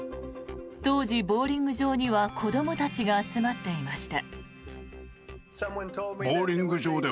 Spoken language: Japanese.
当時、ボウリング場には子どもたちが集まっていました。